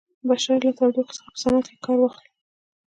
بشر له تودوخې څخه په صنعت کې کار واخلي.